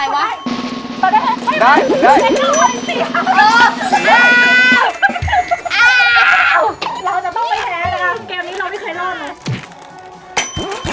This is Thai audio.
เกมนี้เราไม่ใช่รอดเลย